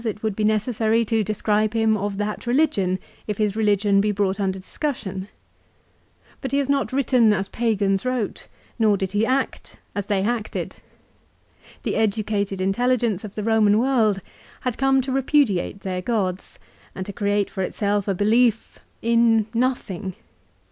it would be necessary to describe him of that religion, if his religion be brought under discussion. But he has not written as pagans wrote, nor did he act as they acted. The educated intelligence of the Eoman world had come to repudiate their gods, and to create for itself a belief, in nothing.